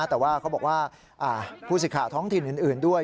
แต่ว่าเขาบอกว่าผู้สิทธิ์ท้องถิ่นอื่นด้วย